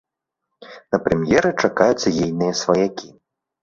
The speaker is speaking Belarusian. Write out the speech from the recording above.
На прэм'еры чакаюцца ейныя сваякі.